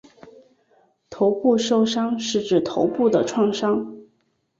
头部受伤是指头部的创伤。